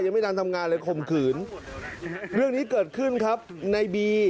ยังไม่ทันทำงานเลยข่มขืนเรื่องนี้เกิดขึ้นครับในบี